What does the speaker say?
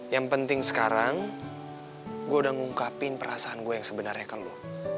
yang penting sekarang gue udah ngungkapin perasaan gue yang sebenarnya kalau